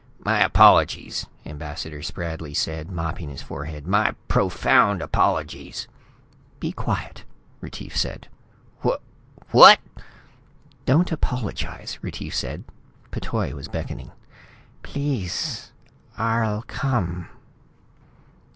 "My apologies," Ambassador Spradley said, mopping his forehead. "My profound apologies." "Be quiet," Retief said. "Wha what?" "Don't apologize," Retief said. P'Toi was beckoning. "Pleasse, arll come."